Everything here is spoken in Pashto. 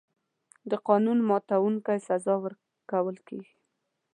د قانون ماتونکي سزا ورکول کېږي.